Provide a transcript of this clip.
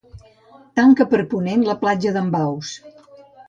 Tanca per ponent la Platja d'en Baus.